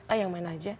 ah yang mana aja